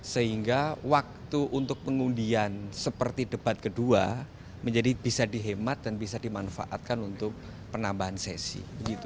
sehingga waktu untuk pengundian seperti debat kedua bisa dihemat dan bisa dimanfaatkan untuk penambahan sesi